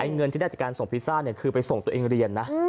เงินที่ได้จากการส่งพิซซ่าคือไปส่งตัวเองเรียนนะ